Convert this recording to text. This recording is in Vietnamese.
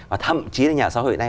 và thậm chí là nhà xã hội hiện nay